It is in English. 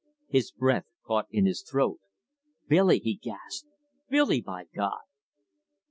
His breath caught in his throat. "Billy!" he gasped. "Billy, by God!"